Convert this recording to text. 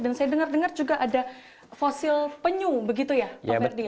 dan saya dengar dengar juga ada fosil penyu begitu ya pak ferdi